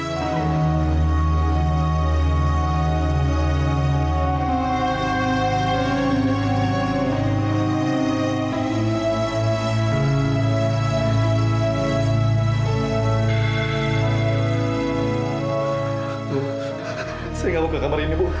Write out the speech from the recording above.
saya nggak mau ke kamar ini bu